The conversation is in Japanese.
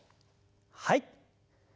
はい。